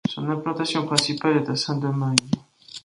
Son implantation principale est à Saint-Domingue.